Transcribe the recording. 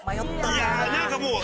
いやなんかもう。